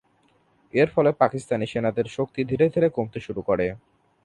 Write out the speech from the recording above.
এর ফলে পাকিস্তানি সেনাদের শক্তি ধীরে ধীরে কমতে শুরু করে।